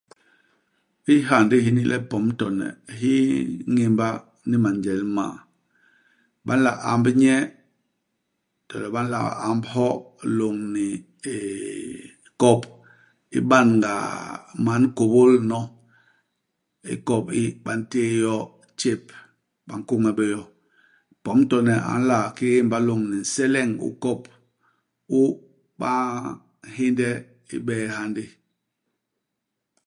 Ihyandi hini le pom-tone hi ñémba ni manjel m'ma. Ba nla amb nye, to le ba nla amb hyo lôñni eeh kop. I ban-ga man kôbôl nyono. Ikop i, ba ntéé yo tjép. Ba nkôñe bé yo. Pom-tone a nla ki émba lôñni nseleñ u kop, u ba nhénde i bee i hyandi.